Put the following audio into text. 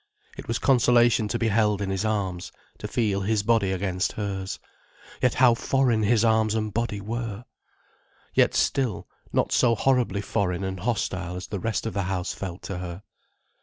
It was consolation to be held in his arms, to feel his body against hers. Yet how foreign his arms and body were! Yet still, not so horribly foreign and hostile as the rest of the house felt to her.